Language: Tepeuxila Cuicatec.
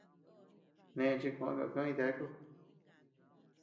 Neʼe chi koʼö kakiö jideaku.